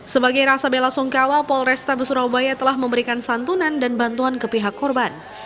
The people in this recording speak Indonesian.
sebagai rasa bela sungkawa polrestabes surabaya telah memberikan santunan dan bantuan ke pihak korban